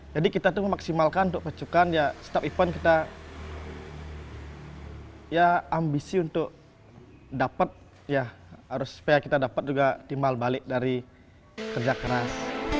jadi kita tuh memaksimalkan untuk pecahkan ya setiap event kita ya ambisi untuk dapat ya harus supaya kita dapat juga timbal balik dari kerja keras